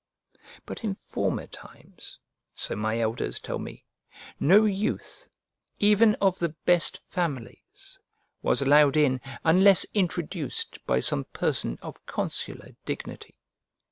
But in former times (so my elders tell me) no youth, even of the best families, was allowed in unless introduced by some person of consular dignity.